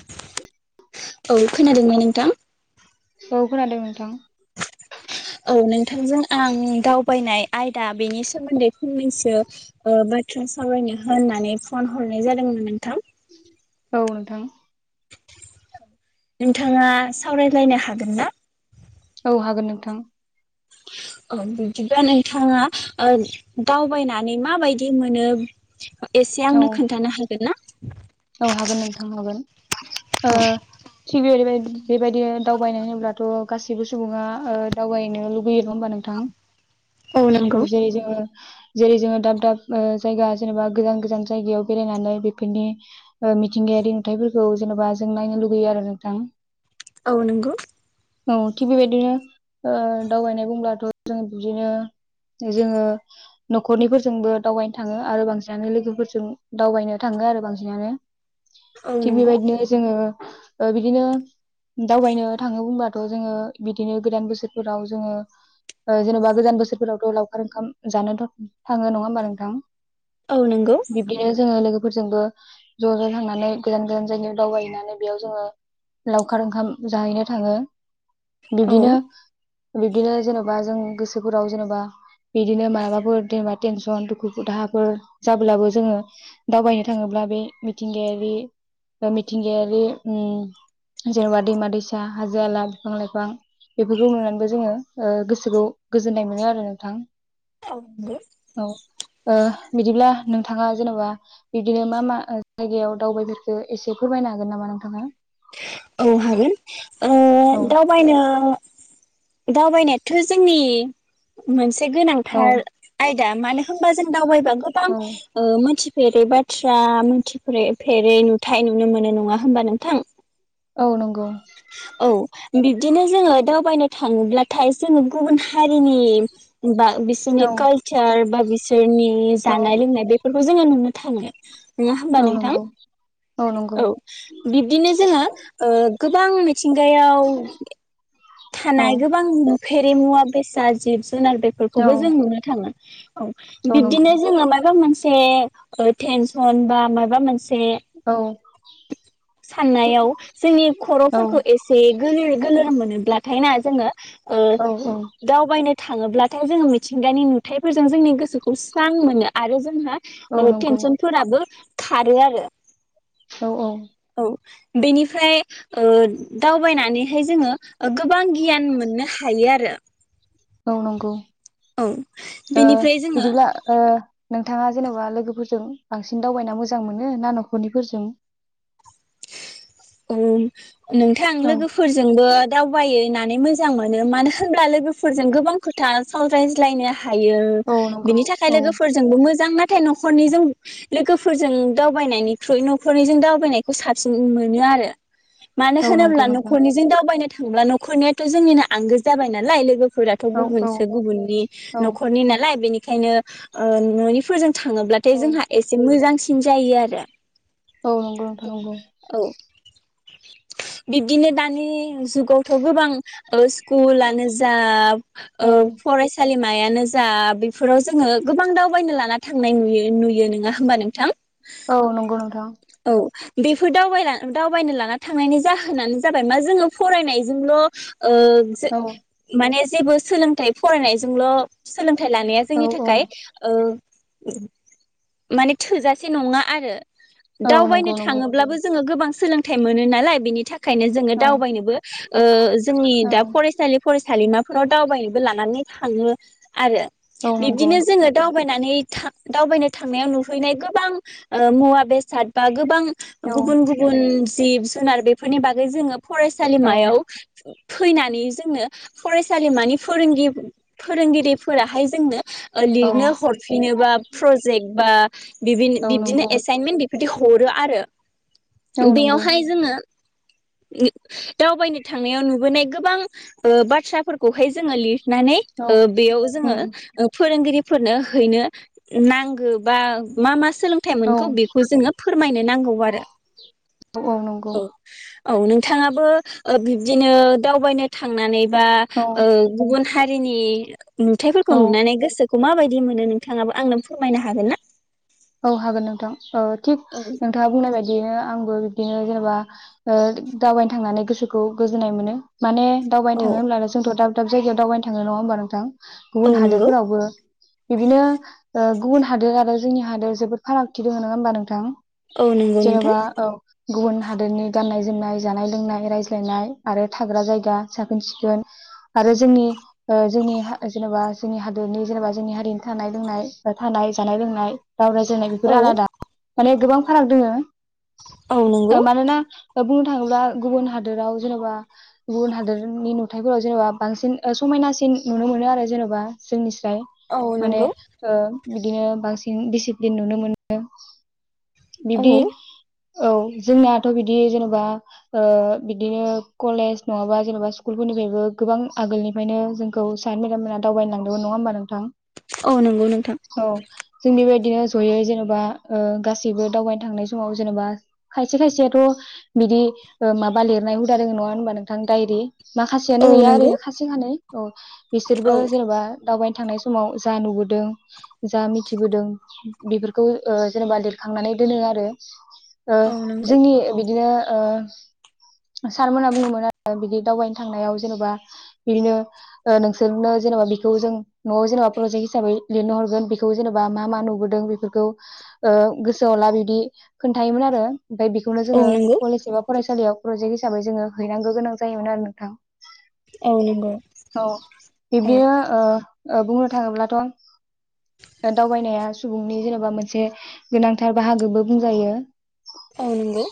[inaudible] औ खोनादोंना नोंथां? औ खोनादों नोंथां। औ नोंथांजों आं दावबायनाय आयदा बेनि सोमोन्दै फंनैसो बाथ्रा सावरायनो होननानै फन हरनाय जादोंमोन नोंथां। औ नोंथां। नोंथाङा सावरायलायनो हागोन ना? औ हागोन नोंथां। बिदिबा नोंथाङा ओ दावबायनानै माबायदि मोनो एसे औ आंनो खोन्थानो हागोन ना? औ हागोन नोंथां हागोन ओ थिग ओरैबायदि बेबायदि दावबायनाय होनोब्लाथ' गासैबो सुबुङा ओ दावबायनो लुुबैयो ना होमबा नोंथां? औ नंगौ अ जेरै जोङो जेरै जोङो दाब दाब जायगा जेनेबा गोजान गोजान जायगायाव बेरायनानै बेफोरनि ओ मिथिंगायारि नुथायफोरखौ जेन'बा जों नायनो लुगैयो आरो नोंथां। औ नंगौ। औ थिग बेबायदिनो दावबायनाय बुंब्लाथ' जों बिबदिनो जोङो न'खरनिफोरजोंबो दावबायनो थाङो आरो बांसिनानो लोगोफोरजों दावबायनो थाङो आरो बांसिनानो। औ थिग नंगौ औ नंगौ बेबायदिनो जोङो बिदिनो दावबायनो थाङो बुंबा थ' जोङो बिदिनो गोदान बोसोरफोराव जोङो जेन'बा गोदान बोसोरफोरावथ' लावखार ओंखाम जानो थाङो नङा होमबा नोंथां? औ नंगौ बिदिनो जोंओ लोगो फोरजोंबो ज'-ज' थांनानै गोजान-गोजान जायगायाव दावबायहैनानै बेयाव जोङो लावखार ओंखाम जाहैनो थाङो। औ बिब्दिनो-बिब्दिनो जेनेबा जों गोसो दुखुफोराव जेनेबा बिदिनो माबाबाफोर जेनेबा टेनसन दुखु दाहाफोर जाब्लाबो जोङो दावबायनो थाङोब्ला बे मिथिंगायारि बा मिथिंगायारि उम जेनेबा दैमा दैसा हाजो आला बिफां लाइफां बेफोरखौ नुनानैबो जोङो गोसोखौ गोजोननाय मोनो आरो नोंथां। औ ओ बिदिब्ला नोंथाङा जेनेबा बिदिनो मा-मा ओ जायगायाव दावबायफोरखो एसे फोरमायनो हागोन नामा नोंथाङा? औ हागोन। ओ औ दावबायनो दावबायनायाथ' जोंनि मोनसे औ गोनांथार आयदा मानो होनबा जों दावबायबा गोबां औ मोनथि फेरै बाथ्रा मिथिफेरै फेरै नुथाय नुनो मोनो नङा होमबा नोंथां। औ नंगौ। बिबदिनो जोङो दावबायनो थाङोब्लाथाय जोङो गुबुन हारिनि बा बिसोरनि औ कालचार बा बिसोरनि औ जानाय लोंनाय बेफोर खौ जोङो नुनो थाङो। नङा होमबा औ नोंथां नंगौ औ बिब्दिनो जोङो ओ गोबां मिथिंगायाव औ थानाय गोबां नुफेरि मुवा बेसाद जिब जुनार औ बेफोरखौबो जों नुनो थाङो। औ औ नंगौ बिब्दिनो जोङो माबा मोनस ए ओ थेनसन बा मा मोनसे औ। साननायाव जोंनि औ खर'फोरखौ एसे गोलोर-गोलोर मोनोब्लाथाय ना जोङो औ ओ दावबायन थाङोब्लाथाय जोङो मिथिंगानि नुथाय फोरजों जोंनि गोसोखौ स्रां मोनो। आरो जोंहा औ ओ नंगौ थेन्सन फोराबो खारो आरो। औ औ औ बेनिफ्राय ओ दावबायनानैहाय जोङो गोबां गियान मोननो हायो आरो। औ नंगौ औ ओ बेनिफ्राय जोङो बिदिब्ला ओ नोंथाङा जेन'बा लोगोफोरजों बांसिन दावबायना मोजां मोनो ना न'खरनिफोरजों? ओं नोंथां औ लोगोफोरजोंबो दाउ बायनानै मोजां मोनो मानो होनब्ला लोगोफोरजों गोबां खोथा सावरायज्लायनो हायो औ नंगौ बिनि थाखाय औ लोगोफोरजोंबो मोजां नां नाथाय न'खरनिजों लोगोफोरजों दावबायनायनिख्रुइ न'खरनिजों दावबायनायखौ साबसिन मोनो आ रो। मानो औ नंगौ होनोब्ला नोंथां न'खरनिजों दावबायनो थांब्ला न'खरनियाथ' जोंनिनो आंगो जाबाय नालाय लोगो फोराथ' औ औ गुबुनसो गुबुननि औ न'खरनि नालाय बेनि ओंखायनो ओ न'निफोरजों थाङोब्लाथाय जोंहा एसे मोजांसिन जायो आरो। औ नंगौ नोंथां नंगौ। औ बिब्दिनो दानि जुगावथ' गोबां ओ स्कुलानो जा ओ फरायसालि मायानो जा बेफोराव जोङो गोबां दावबायनो लाना थांनाय नुय नुयो नोङा होमबा नोंथां? औ नंगौ नोंथां। औ बेफोर दावबायना दावबायनो लाना थांनायनि जाहोनानो जाबाय मा जोङो फरायनायजोंल' ओ जों औ माने जेबो सोलोंथाइ फरायनायजोंल' सोंलों थाइ लानाया औ जोंनि औ थाखाय ओ औ [inaudible] माने थोजा से नङा आरो औ दावबायनो नंगौ नंगौ थाङोब्लाबो जोङो गोबां सोलोंथाइ मोनो नालाय बेनि थाखाय बेखायनो जोङो औ दावबायनोबो ओ जोंनि औ दा फरायसालि फरायसालिमाफोराव दावबायनोबो लानानै थाङो आरो। औ नंगौ बिबदिनो जोङो दाव बायनानै था दावबायनो थांनायाव नुहैनाय गोबां ओ मुवा बेस सादबा गोबां औ गुबुन गुबुन जिब जुनार बेफोरनि बागै जोङो औ फरायसालिमायाव फैनानै जोंनो फरायसालिमानि फोरोंगि फोरोंगिरिफोराहाय जोंनो औ लिरनो हरफिनो बा प्रजेक्ट बा बिबिनि औ बिब्दिनो नंगौ एसाइनमेन्ट बिदि हरो आरो। औ नंगौ बेयावहाय जोङो दावबायनो थांनायाव नुबोनाय गोबां ओ बाथ्राफोरखौहाय जोङो लिर नानै औ ओ बेयाव उम जोङो फोरोंगिरि फोरनो हैनो नांगौ बा मा मा औ सोलोंथाइमोनखौ बे जोङो फोरमायनो नांगौ आरो औ। औ नोंथाङाबो ओ बिब्दिनो दावबायनो थांनानै बा औ ओ गुबुन हारिनि नुथायाइफोरखौ औ नुनानै गोसो खौ माबायदि मोनो नोंथाङाबो आंनो फोरमायनो हागोन ना! औ हागोन नोंथां। ओ थिक औ नोंथाङा बुंनाय बायदि बिदिनो आंबो बिदिनो जेनेबा दावबायनो थांनानै गोसोखौ गोजोननाय मोनो। माने दावबायनो थाङो होनोमब्लाानो जोंथ' दा। दाब जायगायावावबाय थाङोङ होमा नोंथां? गुबुन औ नंगौ हादोरफोरावबो बिदिनो गुबुन हादोर आरो जोंनि हादोर आरो जोबोद फारागथि दङ नङा होमबा नोंथां? औ नंगौ नोंथां। जेन'बा औ गुबुन हादोरनि गाननाय-जोमनाय, जानाय-लोंनाय, रायज्लायनाय आरो थाग्रा जायगा साखोन-सिखोन आरो जोंनि जोंनि जेनेबा जोंनि हादोरनि जेनेबा जोंनि हारिनि थानाय लोंनाय थानाय जानाय-लोंनाय राव रायज्लायनाय बेफोरो औ आलादा माने गोबां फाराग दोङो, औ नंगौ मानोना। नो थाङोब्ला गुबुन हादोराव जेनेबा गुबुन हादोरनि नुथाइफोराव जेनेबा बांसिन समायनासिन नुनो मोनो आरो जेनेबा जोंनि ज औ माने नंगौ बिदिनो बांसिन बेसि सिलिन नुनो मोनो औ बिब्दि औ जोंनाथ' बिदि जेनेबा बिदिनो कलेज नङाबा जेन'बा स्कुलफोरनिफ्रायबो गोबां आगोलनिफ्रायनो जोंखौ सार मेडाम मोना दावबायनो लांदोंमोन नङा होमबा नोंथां? औ नंगौ नोंथां। औ जों बेबादि बिदिनो जयै जेनेबा गासैबो दावबायनो थांनाय समाव जेनेबा खायसे खायसेयाथ' बिदि ओ माबा लिरनाय हुदा दोङ नङा होनबा नोंथां डायरि औ माखासेयानो गैया नंगौ ओरैनो खासे खानैै औ औ बिसोरबो जेनेबा दावबायनो थांनाय समाव जा नुबोदों जा मिथिबोदों बेफोरखौ जेनेबा लिरखांनानै दोनो आरो औ नंगौ जोंनि बिदिनो ओ सारमोनहा बुङोमोन आरो बिदि दावबायनो थांनायाव जेनेबा बिदिनो नोंसोरनो जेनेबा बिखौ जों न'आव जेनेबा प्रजेक्ट हिसाबै लिरनो हरगोन बेखौ जेनेबा मा मा नु दों बेफोरखौ ओ गोसोआवला बिदि खोन्थायोमोन आरो ओमफ्राय बेखौनो औ जोङो नंगौ कलेज एबा फरायसालियाव प्रजेक्ट हिसाबै जोङो हैनांगौ गोनां जायोमोन आरो नोंथां औ नंगौ औ औ बिबदिनो ओ बुंनो थाङोब्लाथ' दावबायनाया सुबुंनि जेनेबा मोनसे गोनांथार बाहागोबो बुंजायो औ नंगौ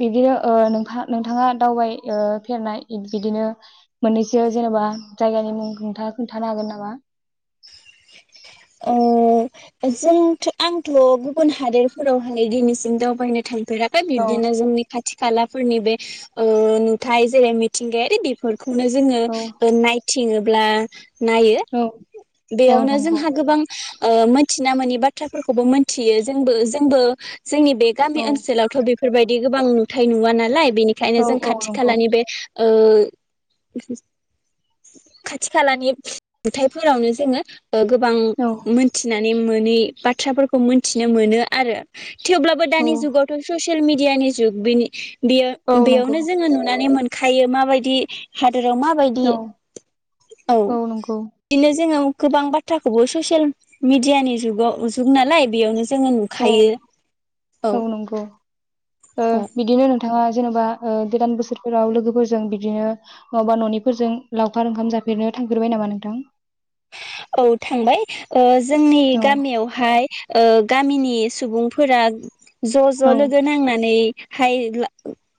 बिदिनो नोंथ नोंथाङा दावबाय फेरनाय बिदिनो मोननैसो जेनेबा जायगानि मुं नोंथाङा खोन्थानो हागोन नामा अ जों आंथ' गुबुन हादोरफोरावहाय दिनैसिम दावबायनो थायो फोरा औ बिबदिनो जोंनि खाथि खालाफोरनि बे ओ नुथाय जेरै मिथिंगायारि बेफोर खौनो जोङो औ ओ नायथिङो ब्ला नायो औ औ बेयावनो नंगौ जोंहा गोबां ओ ओ मिथिना मोननि बाथ्राफोरखौबो मोनथियो जोंबो जोंबो जोंनि बे गामि औ ओनसोलावथ' बेफोरबायद दि गोबां नुथाय नुवा नालाय बेनिखायनो औ जों औ खाथि नंगौ खालानि बे बि ओ ओ खाथि खालानि बुथयफोरावनो जोंङो गोबां औ मोनथिना नि मोनै बाथ्राफोरखौ मोनथिनो मोन आरो थेवब्लाबो औ दानि जुगावथ' स'स सेल मिडियानि जुग बेनि बेयो औ नंगौ बेयावनो जोङो नुनानै मोन खायो माबायदि हा दोरोमा माबायदि औ औ बिनो जोङो गोबां बाथ्राखौबो ससियेल मिडियानि जुगाव जुग नालाय बेयावनो जोङो औ नुखायो औ नंगौ ओ औ बिदिनो नोंथाङा जेनेबा ओ गोदान बोसोरफोराव लोगोफोरजों बिदिनो नङाबा न'निफोरजों लावखार ओंखाम जाफेरनो थांफेरबाय नामा नोंथां औ थांबाय ओ जोंनि औ गामियावहाय ओ गामिनि सुबुंफोरा ज' ज' औ लोगो नांनानै हाय ला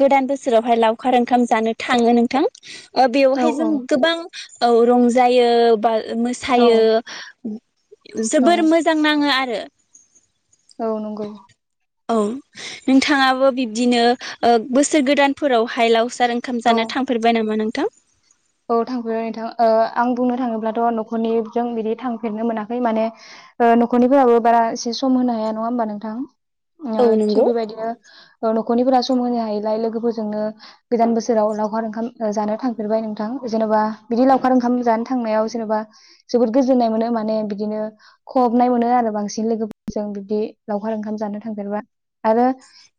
गोदान बोसोरावहाय लावखार ओंखाम जानो थाङो नोंथां? ओ औ बेवहाय जों गोबां औ रंजायो बा औ थायो जोबोर मोजां नाङो आरो [inaudible] औ नंगौ औ नोंथांङाबो बिब्दिनो ओ बोसोर गोदानफोरावहाय लाव खार ओंखाम जानो थांफेरबाय नामा नों थां औथांफेरबाय नोंथां आं बुंनो थाङोब्लाथ' न'खरनिजों बिदि थांफेरनो मोनाखै माने न'खरनिफोराबो बारा एसे सम होनो हाया नङा होमबा नोंथां ओ औ थिग नंगौ बे बायदिनो न'खरनिफोरा सम होनो हायैलाय लोगोफोरजोंनो गोदान बोसोराव लावखार ओंखाम जानो थांफेरबाय। जेनेबा बिदि लावखार ओंखाम जानो थांनायाव जेनेबा जोबोद गोजोननाय मोनो। माने बिदिनो खहाबनाय मोनो आरो बांसिन लोगोफोरजों बिदि लावखार ओंखाम जानो थांफेरबा आरो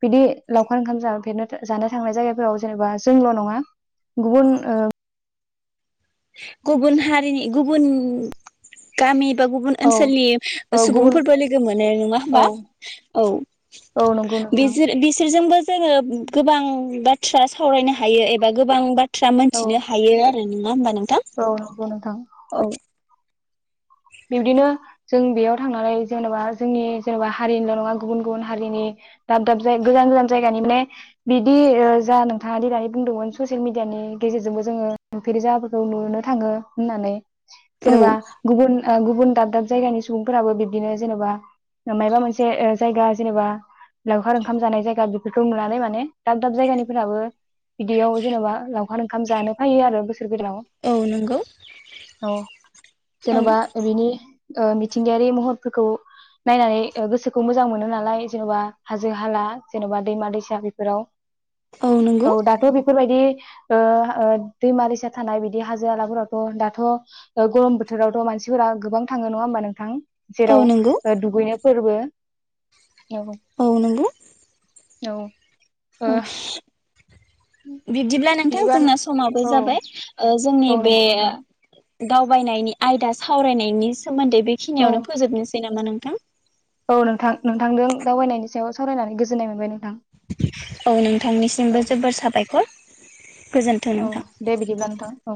बिदि लावखार ओंखाम जानो जानो थांनाय जायगाफोराव जेनेबा जोंल' नङा गुबुन गुबुन हारिनि गुबुन गामि गुबुन औ ओनसोलनि औ गुबुन सुबुंफोरबो लोगो मोनो नङा औ होनबा औ औ नंगौ नोंथां बिसोरजोंबो जोङो गोबां बाथ्रा सावरायनो हायो एबा गोबां बाथ्रा थ्रा औ मोनथिनो हायो नङा होनबा नों औ बुं नोंथां? बिबदिनो जों बेयाव थांनानै जेन'बा जोंनि जेन'बा हारिनिल' नङा गुबुन गुबुन हारिनि दाब दाब जाय गोजान गोजान जायगानि माने बिदि जा नोंथाङा दिनानै बुंदोंमोन ससियेल मिडियानि गेजेरजोंबो जोङो नुफेर जायगाफोरखौ नुनो थाङो होननानै औ सोरबा गुबुन गुबुन दाब दाब जायगानि सुबुंफोराबो बिब्दिनो जेनेबा, मायाबा मोनसे जायगा जेनेबा लावखार ओंखाम जानाय जायगा बेफोरखौ नुनानै माने दाब दाब जायगानिफोराबो बिदियाव जेनेबा लाव खार ओंखाम जानो फायो आरो बोसोर गोदानाव औ नंगौ औ औ जेन'बा ओ मिथिंगायारि महरफोरखौ नायनानै गोसोखौ मोजां मोनो नालाय जेन'बा हाजो हाला जेन'बा दैमा दैसा बेफोराव औ दाथ' बेफोरबाय दि ओ ओ दैमा दैसा थानाय बिदि हाजो हलाफोरावथ' दाथ' गरम बोथोरावथ' मानसि फोरा गोबां थाङो नङा होमबा नोंथां? औ जेराव नंगौ ओ दुगैनो फोरबो औ नंगौ। औ ओ औ। बिब्दिब्ला नोंथां बिदिबा जोंना समाबो औ जाबाय ओ जोंनि औ बे नंगौ नोंथां दावबायनायनि आयदा सावरायनायनि सोमोन्दै औ बेखिनियावनो फोजोबनोसै ना मा नोंथां औ नोंथां नोंथांजों दावबायनायनि सायाव सावरायनानै गोजोननाय मोनबाय नों औ नोंथांनिसिमबो जोबोर साबायखर। गोजोन्थों औ नोंथां दे बिदिब्ला नोंथां औ।